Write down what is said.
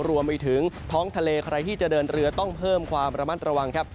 รวมไปถึงท้องทะเลใครที่จะเดินเรือต้องเพิ่มความระมัดระวังครับ